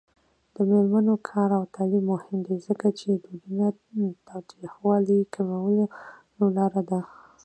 د میرمنو کار او تعلیم مهم دی ځکه چې ودونو تاوتریخوالي کمولو لاره ده.